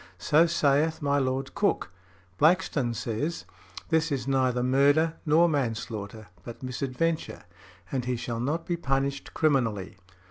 So saith my Lord Coke. Blackstone says, "This is neither murder nor manslaughter, but misadventure, and he shall not be punished criminally."